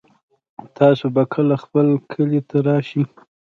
تاسو به کله خپل کلي ته راشئ